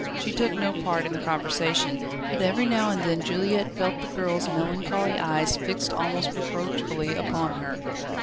She took no part in the conversation, but every now and then Juliette felt the girl's melancholy eyes fixed almost reproachfully upon her.